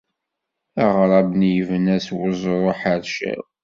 Aɣrab-nni yebna s weẓru aḥercaw.